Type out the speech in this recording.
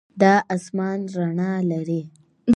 دا آسمان رڼا لري.